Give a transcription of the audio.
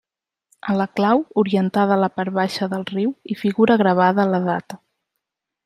A la clau, orientada a la part baixa del riu, hi figura gravada la data.